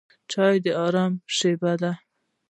چای د آرام شېبه ده.